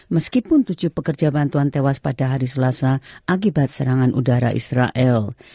meskipun tujuh pekerja bantuan tewas pada hari selasa akibat serangan udara israel